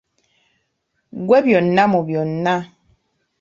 Ggwe byonna mu byonna.